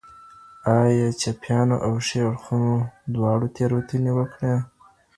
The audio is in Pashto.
ایا چپيانو او ښي اړخو دواړو تېروتنې وکړې؟